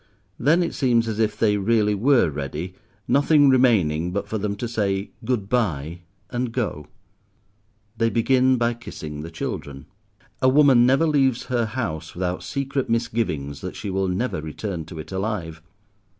Then it seems as if they really were ready, nothing remaining but for them to say "Good bye," and go. They begin by kissing the children. A woman never leaves her house without secret misgivings that she will never return to it alive.